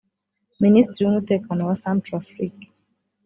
Minisitiri w’Umutekano wa Centrafrique